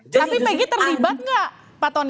tapi pg terlibat nggak pak tony